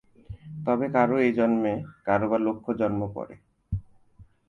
তবে কারও এ জন্মে, কারও বা লক্ষ জন্ম পরে।